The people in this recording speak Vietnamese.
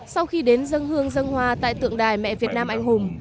sau khi đến dân hương dân hoa tại tượng đài mẹ việt nam anh hùng